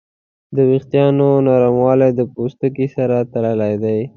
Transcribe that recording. د وېښتیانو نرموالی د پوستکي سره تړلی دی.